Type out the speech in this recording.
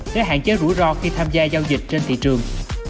để hạn chế rủi ro khi tham gia giao dịch trên thị trường